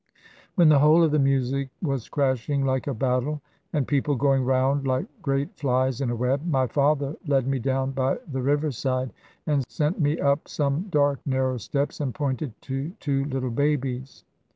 When the whole of the music was crashing like a battle, and people going round like great flies in a web, my father led me down by the river side, and sent me up some dark narrow steps, and pointed to two little babies.